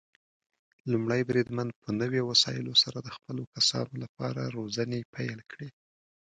لومړی بریدمن په نوي وسايلو سره د خپلو کسانو لپاره روزنې پيل کړي.